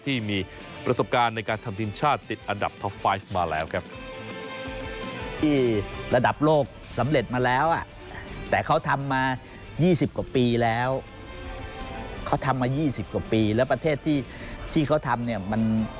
ที่มีประสบการณ์ในการทำทีมชาติติดอันดับท็อป๕มาแล้วครับ